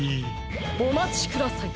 おまちください。